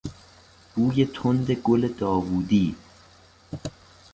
بوی تند گل داوودی